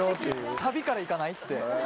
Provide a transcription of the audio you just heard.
サビから行かない？って。